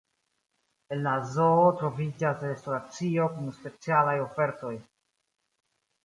En la zoo troviĝas restoracio kun specialaj ofertoj.